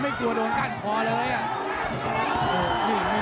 เผ่าฝั่งโขงหมดยก๒